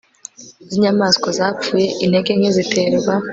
zinyamaswa zapfuye Intege nke ziterwa